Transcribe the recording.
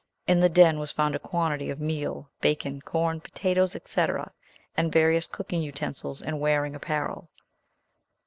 In the den was found a quantity of meal, bacon, corn, potatoes, &c. and various cooking utensils and wearing apparel."